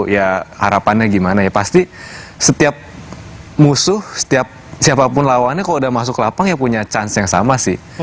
ya harapannya gimana ya pasti setiap musuh setiap siapapun lawannya kalau udah masuk lapang ya punya chance yang sama sih